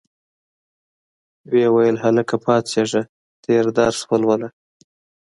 ویې ویل هلکه پاڅیږه تېر درس ولوله.